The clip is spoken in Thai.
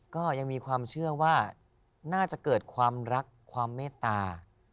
ก็ยังมีความเชื่อว่าน่าจะเกิดความรักความเมตตา